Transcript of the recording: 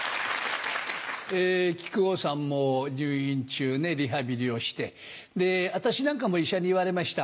木久扇さんも入院中ねリハビリをして私なんかも医者に言われました。